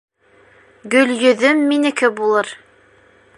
Гөлйөҙөм минеке булыр.